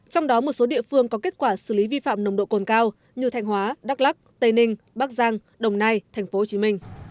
trong đó một số địa phương có kết quả xử lý vi phạm nồng độ cồn cao như thanh hóa đắk lắc tây ninh bắc giang đồng nai tp hcm